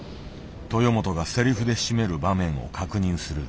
豊本がセリフで締める場面を確認する。